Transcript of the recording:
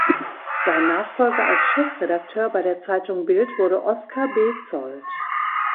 Sein Nachfolger als Chefredakteur bei der Zeitung Bild wurde Oskar Bezold.